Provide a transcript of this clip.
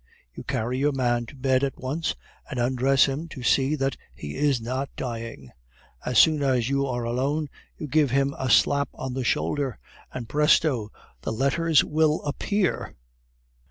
You carry your man to bed at once, and undress him to see that he is not dying. As soon as you are alone, you give him a slap on the shoulder, and presto! the letters will appear."